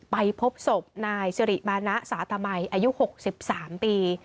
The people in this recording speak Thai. ไปพบศพนายสิริมาณะสาตมัยอายุ๖๓ปี